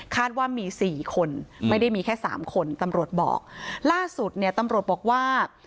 ว่ามีสี่คนไม่ได้มีแค่สามคนตำรวจบอกล่าสุดเนี่ยตำรวจบอกว่า